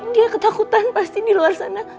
dia ketakutan pasti di luar sana